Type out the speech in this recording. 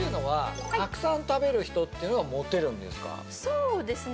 そうですね